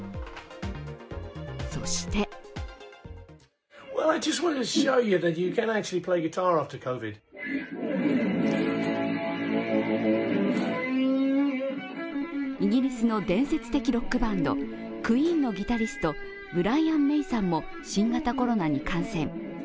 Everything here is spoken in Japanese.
そしてイギリスの伝説的ロックバンドクイーンのギタリストブライアン・メイさんも新型コロナに感染。